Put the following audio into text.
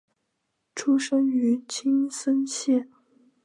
出身于青森县。